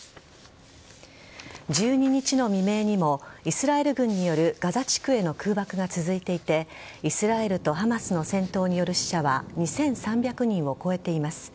１２日の未明にもイスラエル軍によるガザ地区への空爆が続いていてイスラエルとハマスの戦闘による死者は２３００人を超えています。